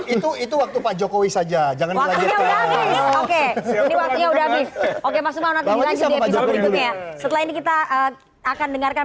itu itu waktu pak jokowi saja jangan oke oke oke mas mawang setelah ini kita akan dengarkan